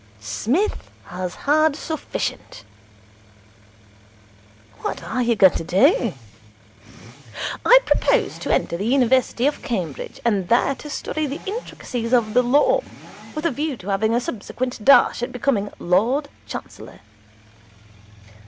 "Psmith has had sufficient."' 'What are you going to do?' 'I propose to enter the University of Cambridge, and there to study the intricacies of the Law, with a view to having a subsequent dash at becoming Lord Chancellor.'